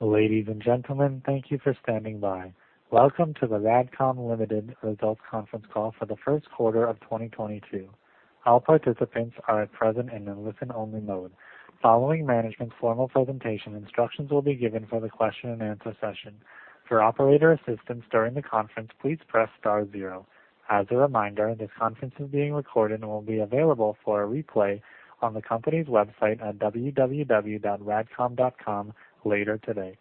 Ladies and gentlemen, thank you for standing by. Welcome to the RADCOM Ltd. Results Conference Call For The First QuarterOf 2022. All participants are at present in a listen-only mode. Following management's formal presentation, instructions will be given for the question-and-answer session. For operator assistance during the conference, please press star zero. As a reminder, this conference is being recorded and will be available for a replay on the company's website at www.radcom.com later today.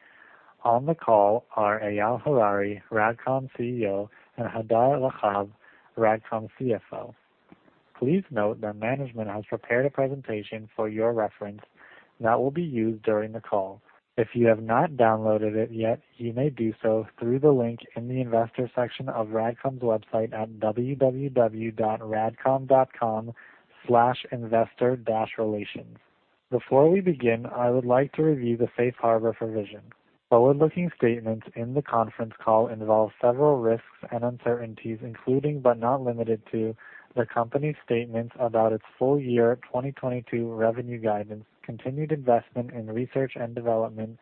On the call are Eyal Harari, RADCOM CEO, and Hadar Rahav, RADCOM CFO. Please note that management has prepared a presentation for your reference that will be used during the call. If you have not downloaded it yet, you may do so through the link in the investor section of RADCOM's website at www.radcom.com/investor-relations. Before we begin, I would like to review the safe harbor provision. Forward-looking statements in the conference call involve several risks and uncertainties, including but not limited to the company's statements about its full year 2022 revenue guidance, continued investment in research and development,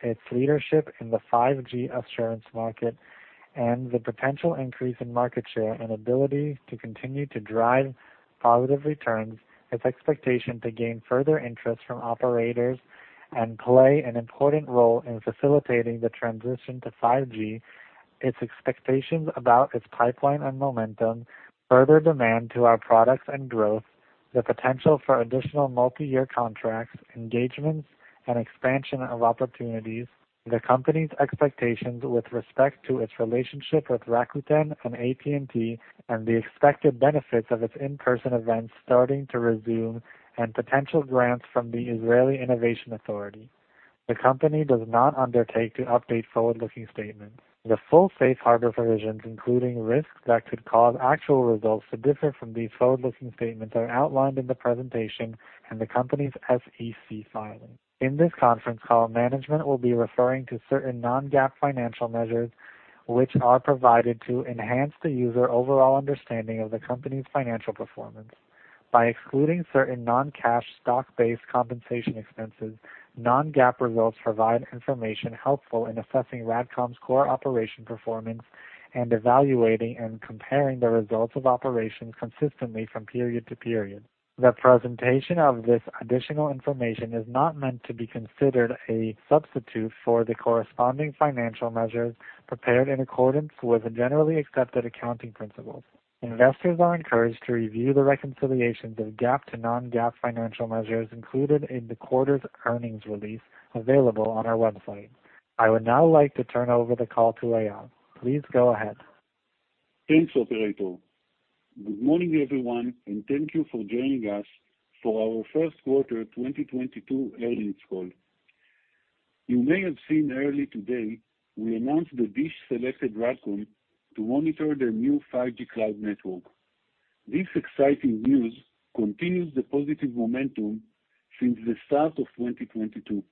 its leadership in the 5G assurance market, and the potential increase in market share and ability to continue to drive positive returns, its expectation to gain further interest from operators and play an important role in facilitating the transition to 5G, its expectations about its pipeline and momentum, further demand to our products and growth, the potential for additional multi-year contracts, engagements, and expansion of opportunities, the company's expectations with respect to its relationship with Rakuten and AT&T, and the expected benefits of its in-person events starting to resume, and potential grants from the Israel Innovation Authority. The company does not undertake to update forward-looking statements. The full safe harbor provisions, including risks that could cause actual results to differ from these forward-looking statements, are outlined in the presentation and the company's SEC filings. In this conference call, management will be referring to certain non-GAAP financial measures, which are provided to enhance the user's overall understanding of the company's financial performance. By excluding certain non-cash stock-based compensation expenses, non-GAAP results provide information helpful in assessing RADCOM's core operational performance and evaluating and comparing the results of operations consistently from period to period. The presentation of this additional information is not meant to be considered a substitute for the corresponding financial measures prepared in accordance with the generally accepted accounting principles. Investors are encouraged to review the reconciliations of GAAP to non-GAAP financial measures included in the quarter's earnings release available on our website. I would now like to turn over the call to Eyal. Please go ahead. Thanks, operator. Good morning, everyone, and thank you for joining us for our first quarter 2022 earnings call. You may have seen early today we announced that DISH selected RADCOM to monitor their new 5G cloud network. This exciting news continues the positive momentum since the start of 2022.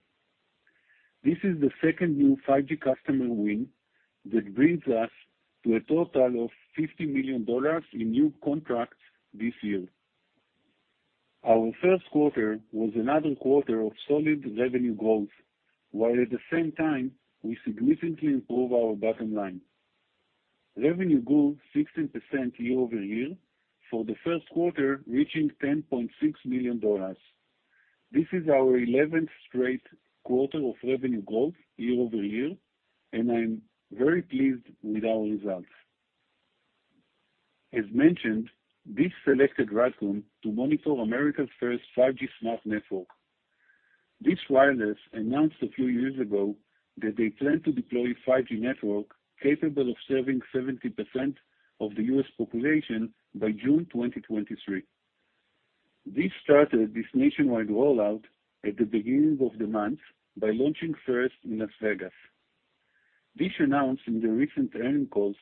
This is the second new 5G customer win that brings us to a total of $50 million in new contracts this year. Our first quarter was another quarter of solid revenue growth, while at the same time we significantly improve our bottom line. Revenue grew 16% year-over-year for the first quarter, reaching $10.6 million. This is our 11th straight quarter of revenue growth year-over-year, and I'm very pleased with our results. As mentioned, DISH selected RADCOM to monitor America's first 5G Smart Network. DISH Wireless announced a few years ago that they plan to deploy 5G network capable of serving 70% of the U.S. population by June 2023. This starts the nationwide rollout at the beginning of the month by launching first in Las Vegas. DISH announced in their recent earnings calls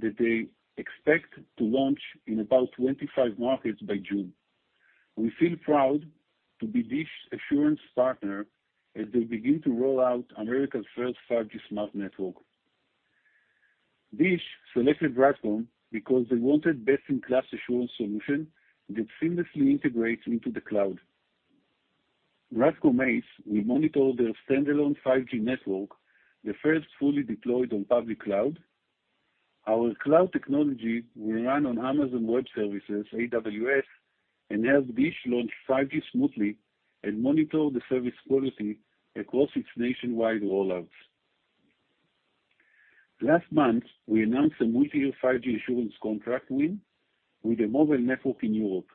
that they expect to launch in about 25 markets by June. We feel proud to be DISH assurance partner as they begin to roll out America's first 5G Smart Network. DISH selected RADCOM because they wanted best-in-class assurance solution that seamlessly integrates into the cloud. RADCOM ACE will monitor their standalone 5G network, the first fully deployed on public cloud. Our cloud technology will run on Amazon Web Services, AWS, and help DISH launch 5G smoothly and monitor the service quality across its nationwide rollouts. Last month, we announced a multi-year 5G assurance contract win with a mobile network in Europe.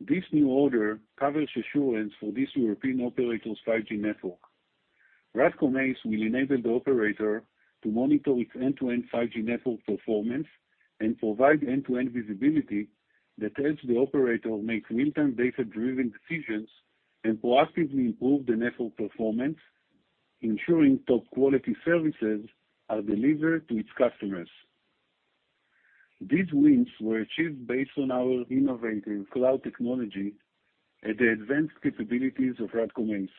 This new order covers assurance for this European operator's 5G network. RADCOM ACE will enable the operator to monitor its end-to-end 5G network performance and provide end-to-end visibility that helps the operator make real-time data-driven decisions and proactively improve the network performance, ensuring top quality services are delivered to its customers. These wins were achieved based on our innovative cloud technology and the advanced capabilities of RADCOM ACE,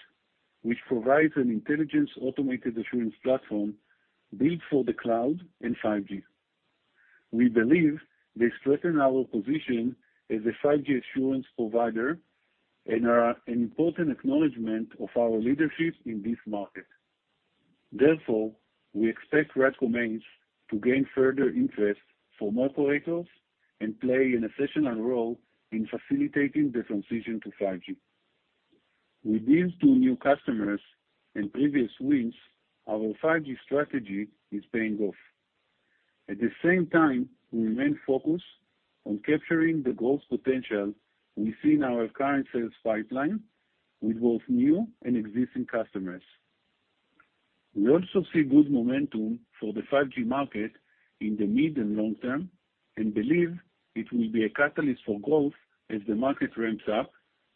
which provides an intelligent-automated assurance platform built for the cloud and 5G. We believe they strengthen our position as a 5G assurance provider and are an important acknowledgement of our leadership in this market. Therefore, we expect RADCOM ACE to gain further interest for more operators and play an essential role in facilitating the transition to 5G. With these two new customers and previous wins, our 5G strategy is paying off. At the same time, we remain focused on capturing the growth potential we see in our current sales pipeline with both new and existing customers. We also see good momentum for the 5G market in the mid and long term, and believe it will be a catalyst for growth as the market ramps up,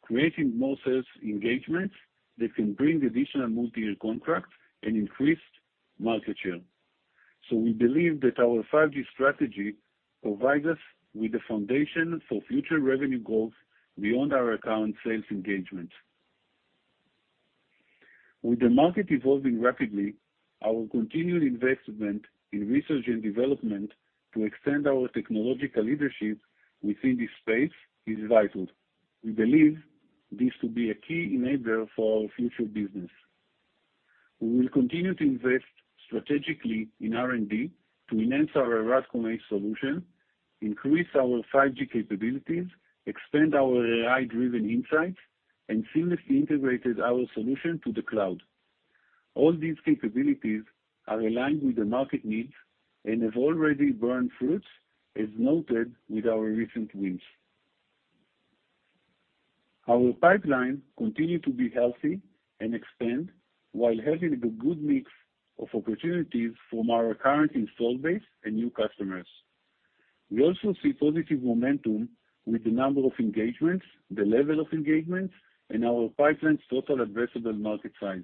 creating more sales engagements that can bring additional multi-year contracts and increased market share. We believe that our 5G strategy provides us with a foundation for future revenue growth beyond our account sales engagement. With the market evolving rapidly, our continued investment in research and development to extend our technological leadership within this space is vital. We believe this to be a key enabler for our future business. We will continue to invest strategically in R&D to enhance our RADCOM ACE solution, increase our 5G capabilities, expand our AI-driven insights, and seamlessly integrated our solution to the cloud. All these capabilities are aligned with the market needs and have already borne fruit, as noted with our recent wins. Our pipeline continue to be healthy and expand while having a good mix of opportunities from our current installed base and new customers. We also see positive momentum with the number of engagements, the level of engagements, and our pipeline's total addressable market size.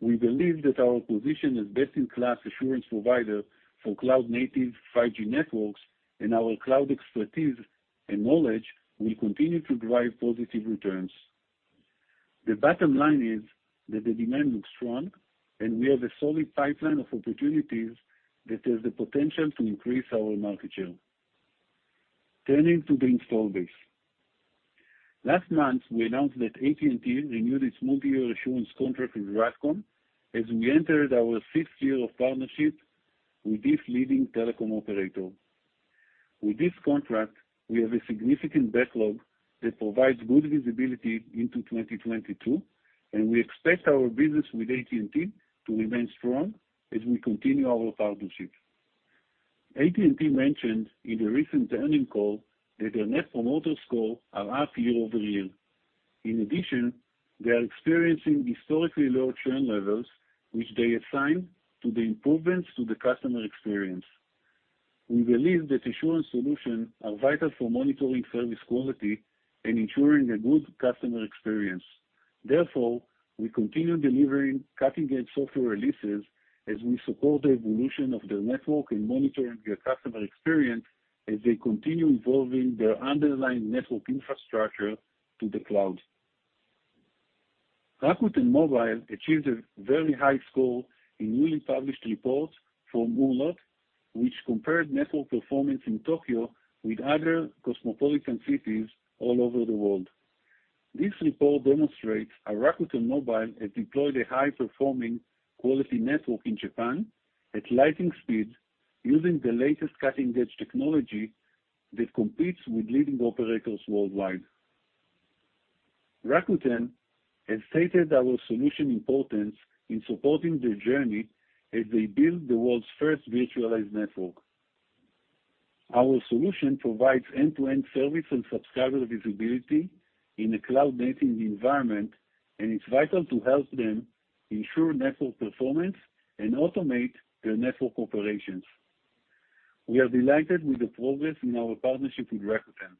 We believe that our position as best-in-class assurance provider for cloud-native 5G networks and our cloud expertise and knowledge will continue to drive positive returns. The bottom line is that the demand looks strong, and we have a solid pipeline of opportunities that has the potential to increase our market share. Turning to the installed base. Last month, we announced that AT&T renewed its multi-year assurance contract with RADCOM as we entered our sixth year of partnership with this leading telecom operator. With this contract, we have a significant backlog that provides good visibility into 2022, and we expect our business with AT&T to remain strong as we continue our partnership. AT&T mentioned in a recent earnings call that their Net Promoter Score are up year-over-year. In addition, they are experiencing historically low churn levels, which they assign to the improvements to the customer experience. We believe that assurance solution are vital for monitoring service quality and ensuring a good customer experience. Therefore, we continue delivering cutting-edge software releases as we support the evolution of their network and monitoring their customer experience as they continue evolving their underlying network infrastructure to the cloud. Rakuten Mobile achieved a very high score in newly published report from Ookla, which compared network performance in Tokyo with other cosmopolitan cities all over the world. This report demonstrates how Rakuten Mobile has deployed a high-performing quality network in Japan at lightning speed using the latest cutting-edge technology that competes with leading operators worldwide. Rakuten has stated our solution importance in supporting their journey as they build the world's first virtualized network. Our solution provides end-to-end service and subscriber visibility in a cloud-native environment, and it's vital to help them ensure network performance and automate their network operations. We are delighted with the progress in our partnership with Rakuten.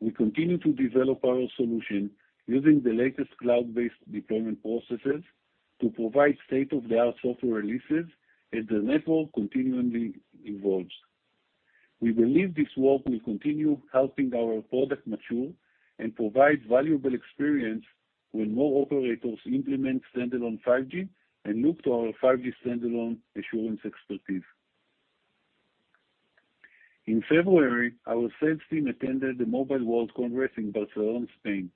We continue to develop our solution using the latest cloud-based deployment processes to provide state-of-the-art software releases as the network continually evolves. We believe this work will continue helping our product mature and provide valuable experience when more operators implement standalone 5G and look to our 5G standalone assurance expertise. In February, our sales team attended the Mobile World Congress in Barcelona, Spain,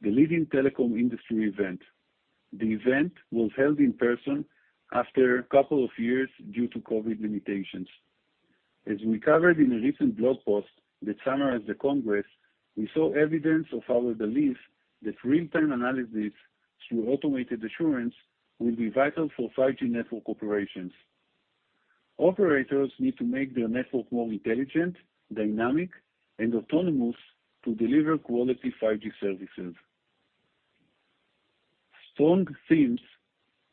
the leading telecom industry event. The event was held in person after a couple of years due to COVID limitations. As we covered in a recent blog post that summarized the congress, we saw evidence of our belief that real-time analysis through automated assurance will be vital for 5G network operations. Operators need to make their network more intelligent, dynamic, and autonomous to deliver quality 5G services. Strong themes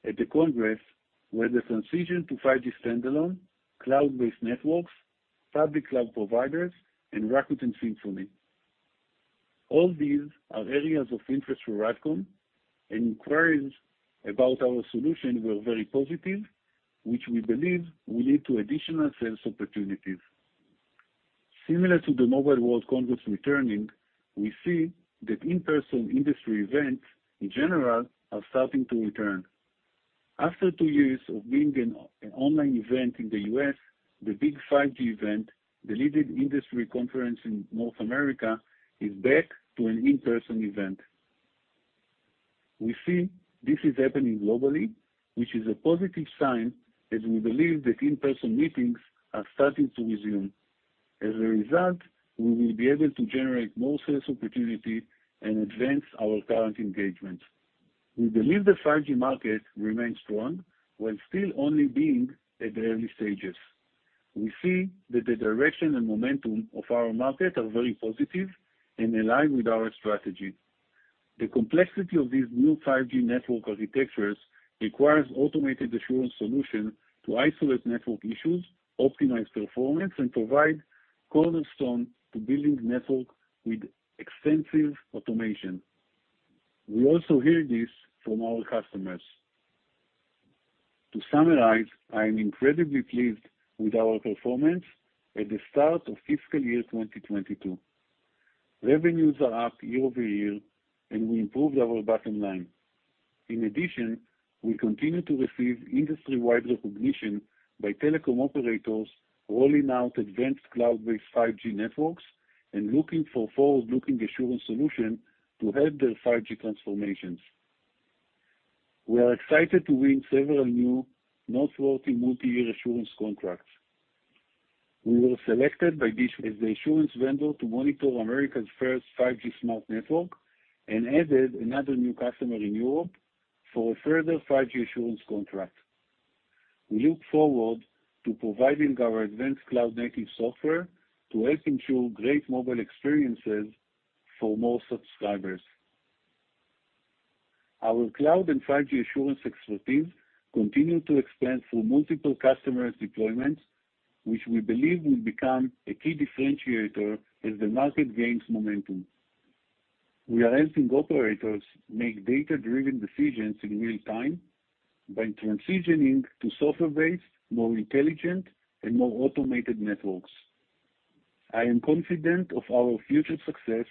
at the congress were the transition to 5G standalone, cloud-based networks, public cloud providers, and Rakuten Symphony. All these are areas of interest for RADCOM, and inquiries about our solution were very positive, which we believe will lead to additional sales opportunities. Similar to the Mobile World Congress returning, we see that in-person industry events in general are starting to return. After two years of being an online event in the US, the BIG 5G Event, the leading industry conference in North America, is back to an in-person event. We see this is happening globally, which is a positive sign as we believe that in-person meetings are starting to resume. As a result, we will be able to generate more sales opportunity and advance our current engagements. We believe the 5G market remains strong, while still only being at the early stages. We see that the direction and momentum of our market are very positive and align with our strategy. The complexity of these new 5G network architectures requires automated assurance solution to isolate network issues, optimize performance, and provide cornerstone to building network with extensive automation. We also hear this from our customers. To summarize, I am incredibly pleased with our performance at the start of fiscal year 2022. Revenues are up year-over-year, and we improved our bottom line. In addition, we continue to receive industry-wide recognition by telecom operators rolling out advanced cloud-based 5G networks and looking for forward-looking assurance solution to help their 5G transformations. We are excited to win several new noteworthy multi-year assurance contracts. We were selected by DISH as the assurance vendor to monitor America's first 5G Smart Network and added another new customer in Europe for a further 5G assurance contract. We look forward to providing our advanced cloud-native software to help ensure great mobile experiences for more subscribers. Our cloud and 5G assurance expertise continue to expand through multiple customers deployments, which we believe will become a key differentiator as the market gains momentum. We are helping operators make data-driven decisions in real time by transitioning to software-based, more intelligent, and more automated networks. I am confident of our future success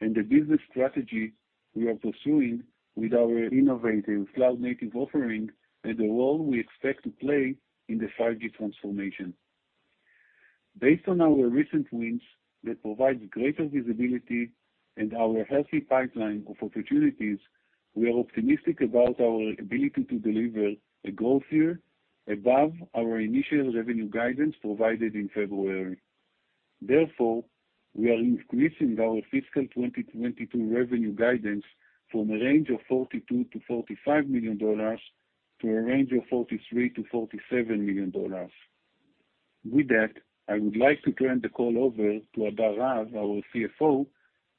and the business strategy we are pursuing with our innovative cloud-native offering and the role we expect to play in the 5G transformation. Based on our recent wins that provides greater visibility and our healthy pipeline of opportunities, we are optimistic about our ability to deliver a growth year above our initial revenue guidance provided in February. Therefore, we are increasing our fiscal 2022 revenue guidance from a range of $42million-$45 million to a range of $43million-$47 million. With that, I would like to turn the call over to Hadar Rahav, our CFO,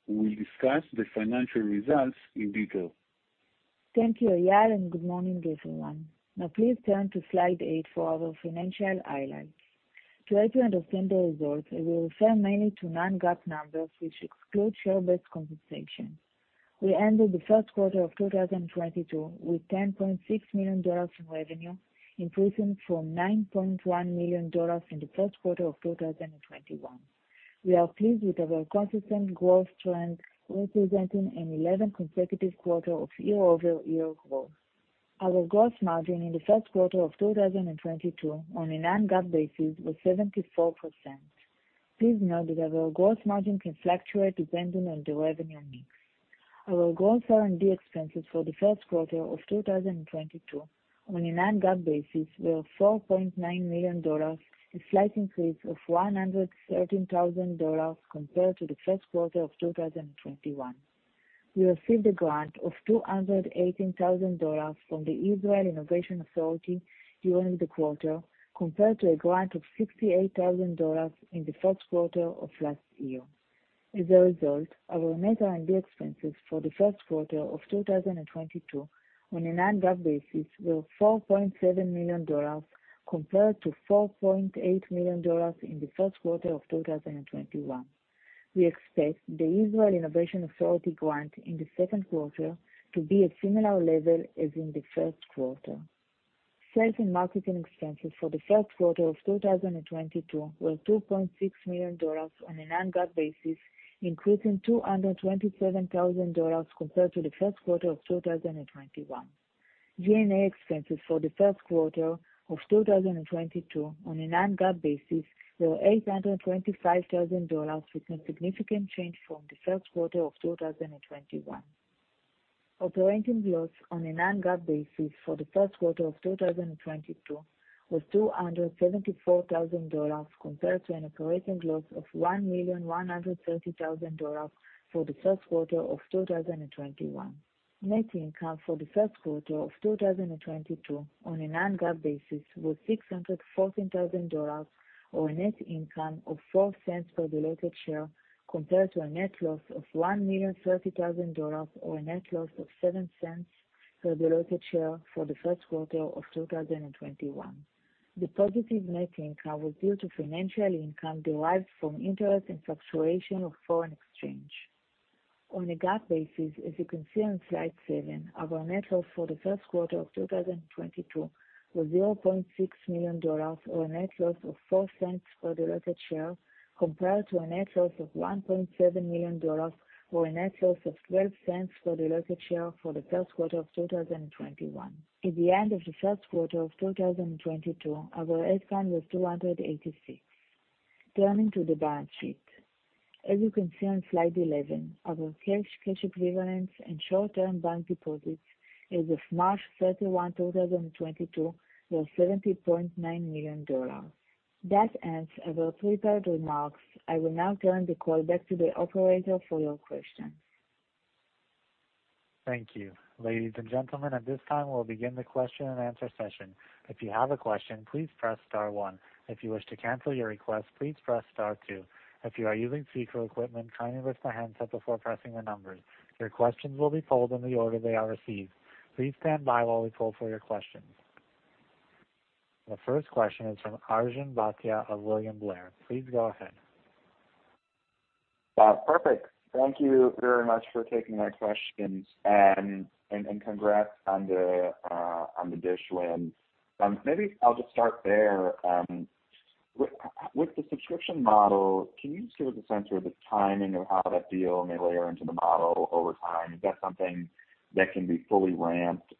who will discuss the financial results in detail. Thank you, Eyal, and good morning, everyone. Now please turn to slide eight for our financial highlights. To help you understand the results, I will refer mainly to non-GAAP numbers which exclude share-based compensation. We ended the first quarter of 2022 with $10.6 million in revenue, increasing from $9.1 million in the first quarter of 2021. We are pleased with our consistent growth trend, representing 11 consecutive quarters of year-over-year growth. Our gross margin in the first quarter of 2022 on a non-GAAP basis was 74%. Please note that our gross margin can fluctuate depending on the revenue mix. Our gross R&D expenses for the first quarter of 2022 on a non-GAAP basis were $4.9 million, a slight increase of $113,000 compared to the first quarter of 2021. We received a grant of $218 thousand from the Israel Innovation Authority during the quarter, compared to a grant of $68 thousand in the first quarter of last year. As a result, our net R&D expenses for the first quarter of 2022 on a non-GAAP basis were $4.7 million compared to $4.8 million in the first quarter of 2021. We expect the Israel Innovation Authority grant in the second quarter to be a similar level as in the first quarter. Sales and marketing expenses for the first quarter of 2022 were $2.6 million on a non-GAAP basis, increasing $227 thousand compared to the first quarter of 2021. G&A expenses for the first quarter of 2022 on a non-GAAP basis were $825,000, with no significant change from the first quarter of 2021. Operating loss on a non-GAAP basis for the first quarter of 2022 was $274,000 compared to an operating loss of $1,130,000 for the first quarter of 2021. Net income for the first quarter of 2022 on a non-GAAP basis was $614,000 or a net income of $0.04 per diluted share compared to a net loss of $1,030,000 or a net loss of $0.07 per diluted share for the first quarter of 2021. The positive net income was due to financial income derived from interest and fluctuation of foreign exchange. On a GAAP basis, as you can see on slide 7, our net loss for the first quarter of 2022 was $0.6 million or a net loss of $0.04 per diluted share compared to a net loss of $1.7 million or a net loss of $0.12 per diluted share for the first quarter of 2021. At the end of the first quarter of 2022, our headcount was 286. Turning to the balance sheet. As you can see on slide 11, our cash equivalents, and short-term bank deposits as of March 31, 2022, were $70.9 million. That ends our prepared remarks. I will now turn the call back to the operator for your questions. Thank you. Ladies and gentlemen, at this time, we'll begin the question and answer session. If you have a question, please press star one. If you wish to cancel your request, please press star two. If you are using speaker equipment, kindly lift the handset before pressing the numbers. Your questions will be pulled in the order they are received. Please stand by while we pull for your questions. The first question is from Arjun Bhatia of William Blair. Please go ahead. Perfect. Thank you very much for taking my questions and congrats on the DISH win. Maybe I'll just start there. With the subscription model, can you just give us a sense of the timing of how that deal may layer into the model over time? Is that something that can be fully ramped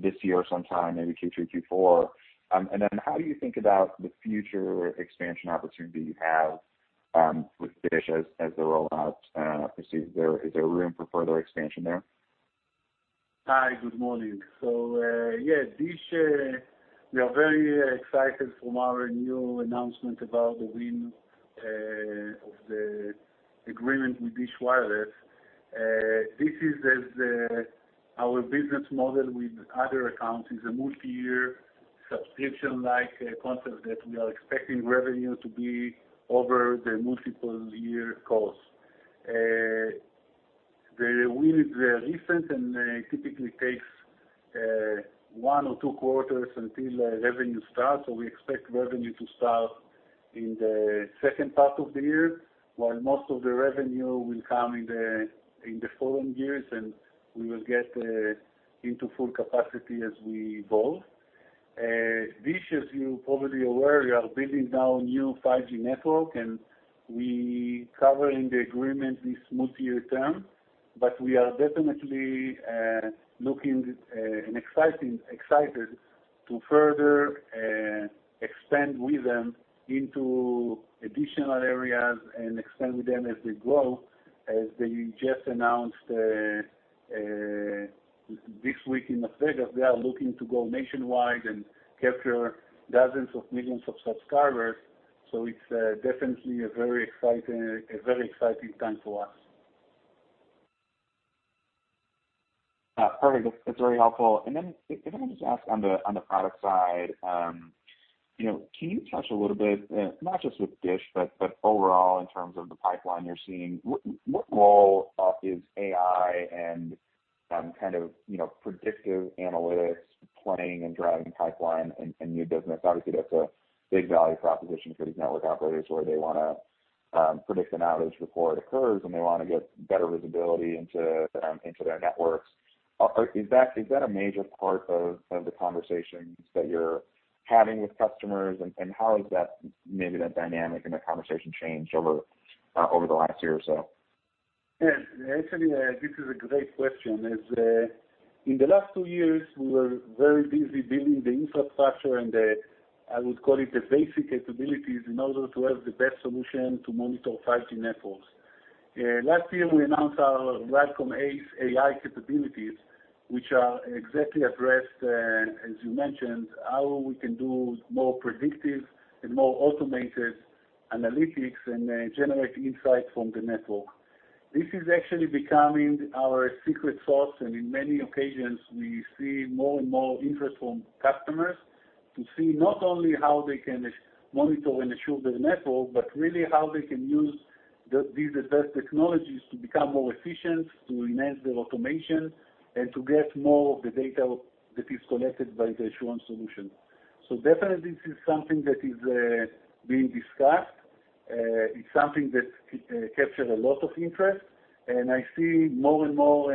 this year sometime, maybe Q3, Q4? And then how do you think about the future expansion opportunity you have with DISH as they roll out, is there room for further expansion there? Hi, good morning. Dish, we are very excited from our new announcement about the win of the agreement with DISH Wireless. This is, as our business model with other accounts is a multiyear subscription like concept that we are expecting revenue to be over the multiple year course. The win is recent, and it typically takes one or two quarters until revenue starts. We expect revenue to start in the second part of the year, while most of the revenue will come in the following years, and we will get into full capacity as we evolve. Dish, as you probably aware, we are building our new 5G network, and we cover in the agreement this multiyear term. We are definitely looking and excited to further expand with them into additional areas and expand with them as they grow. As they just announced this week in Las Vegas, they are looking to go nationwide and capture dozens of millions of subscribers. It's definitely a very exciting time for us. Perfect. That's very helpful. If I could just ask on the product side, you know, can you touch a little bit, not just with DISH, but overall in terms of the pipeline you're seeing. What role is AI and kind of, you know, predictive analytics playing in driving pipeline and new business? Obviously, that's a big value proposition for these network operators, where they wanna predict an outage before it occurs, and they wanna get better visibility into their networks. Is that a major part of the conversations that you're having with customers? How has that dynamic and the conversation changed over the last year or so? Yeah. Actually, this is a great question, as in the last two years, we were very busy building the infrastructure and the, I would call it, the basic capabilities in order to have the best solution to monitor 5G networks. Last year, we announced our RADCOM AIM capabilities, which are exactly addressed, as you mentioned, how we can do more predictive and more automated analytics and generate insight from the network. This is actually becoming our secret sauce, and in many occasions, we see more and more interest from customers to see not only how they can monitor and ensure their network, but really how they can use these advanced technologies to become more efficient, to enhance their automation, and to get more of the data that is collected by the assurance solution. Definitely this is something that is being discussed. It's something that captures a lot of interest, and I see more and more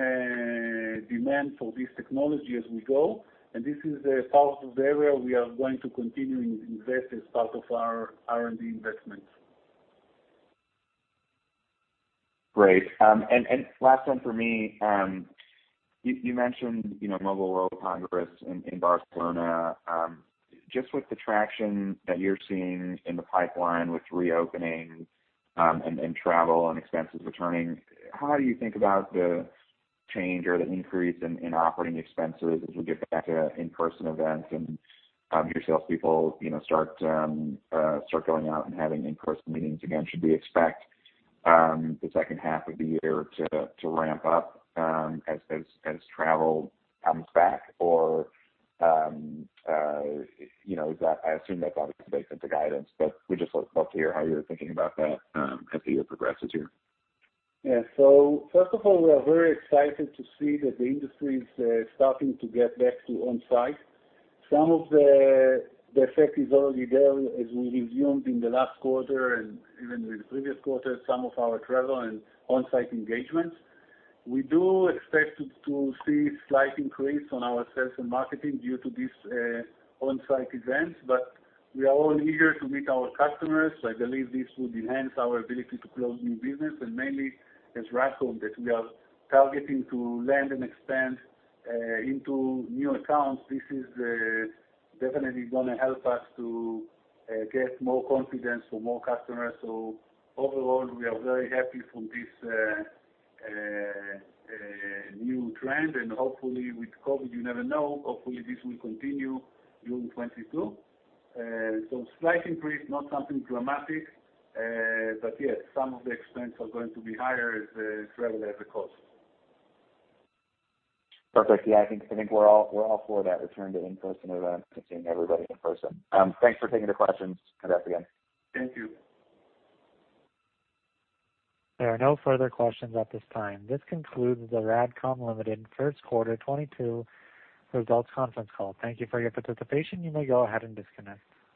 demand for this technology as we go. This is part of the area we are going to continue investing as part of our R&D investments. Great. Last one for me. You mentioned, you know, Mobile World Congress in Barcelona. Just with the traction that you're seeing in the pipeline with reopening, and travel and expenses returning, how do you think about the change or the increase in operating expenses as we get back to in-person events and your salespeople, you know, start going out and having in-person meetings again? Should we expect the second half of the year to ramp up as travel comes back? You know, I assume that's obviously baked into guidance, but we just would love to hear how you're thinking about that, as the year progresses here. Yeah. First of all, we are very excited to see that the industry is starting to get back to on-site. Some of the effect is already there as we resumed in the last quarter and even in the previous quarter, some of our travel and on-site engagements. We do expect to see slight increase on our sales and marketing due to these on-site events, but we are all eager to meet our customers, so I believe this would enhance our ability to close new business. Mainly as RADCOM, that we are targeting to land and expand into new accounts. This is definitely gonna help us to get more confidence for more customers. Overall, we are very happy from this new trend, and hopefully with COVID, you never know, hopefully this will continue during 2022. Slight increase, not something dramatic. Yeah, some of the expenses are going to be higher as travel has a cost. Perfect. Yeah, I think we're all for that return to in-person events and seeing everybody in person. Thanks for taking the questions. Congrats again. Thank you. There are no further questions at this time. This concludes the RADCOM Ltd. first quarter 2022 results conference call. Thank you for your participation. You may go ahead and disconnect.